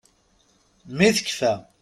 Mi tekkfa.